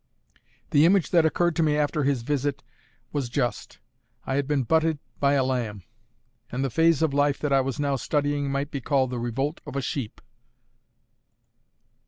The image that occurred to me after his visit was just; I had been butted by a lamb; and the phase of life that I was now studying might be called the Revolt of a Sheep.